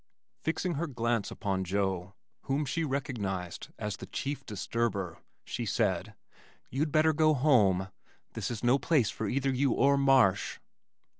Fixing her glance upon Joe whom she recognized as the chief disturber, she said, "You'd better go home. This is no place for either you or Marsh."